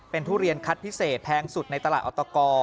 เป็นทุเรียนคัดพิเศษแพงสุดในตลาดออตก